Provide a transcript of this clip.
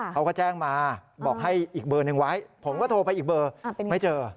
เขาก็แจ้งมาบอกให้อีกเบอร์หนึ่งไว้ผมก็โทรไปอีกเบอร์ไม่เจอ